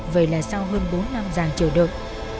vậy là sau hơn bốn năm dài chờ đợi